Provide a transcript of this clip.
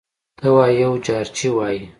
ته وا یو جارچي وايي: